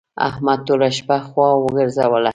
احمد ټوله شپه خوا وګرځوله.